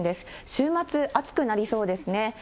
週末、暑くなりそうですね。